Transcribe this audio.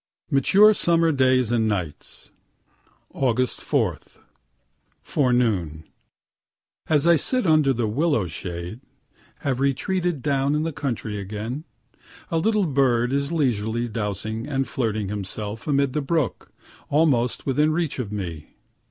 MATURE SUMMER DAYS AND NIGHTS Aug. 4. Forenoon as I sit under the willow shade, (have retreated down in the country again,) a little bird is leisurely dousing and flirting himself amid the brook almost within reach of me.